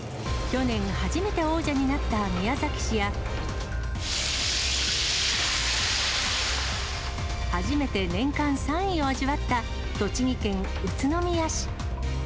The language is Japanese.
去年、初めて王者になった宮崎市や、初めて年間３位を味わった栃木県宇都宮市。